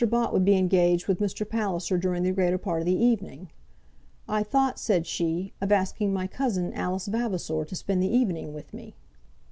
Bott would be engaged with Mr. Palliser during the greater part of the evening. "I thought," said she, "of asking my cousin, Alice Vavasor, to spend the evening with me."